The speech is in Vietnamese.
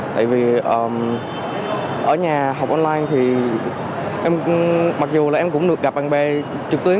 tại vì ở nhà học online thì em mặc dù là em cũng được gặp bạn bè trực tuyến